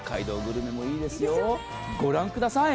ご覧ください。